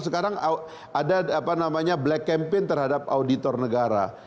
sekarang ada black campaign terhadap auditor negara